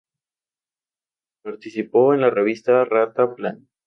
Participó en la revista "¡Ra-Ta-Plan!